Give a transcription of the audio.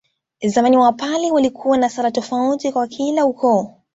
Zamani Wapare walikuwa na sala tofauti kwa kila ukoo